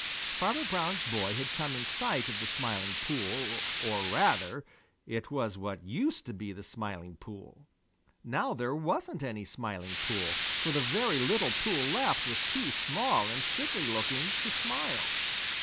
Farmer Brown's boy had come in sight of the Smiling Pool or rather, it was what used to be the Smiling Pool. Now there wasn't any Smiling Pool, for the very little pool left was too small and sickly looking to smile.